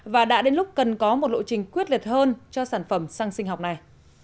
và đã đến lúc cần có một lộ trình quyết liệt hơn cho sản phẩm xăng sinh học này